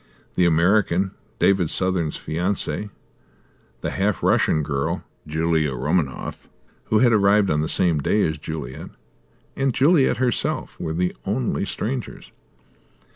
The American, David Southern's fiancée, the half Russian girl, Julia Romaninov, who had arrived on the same day as Juliet, and Juliet herself, were the only strangers.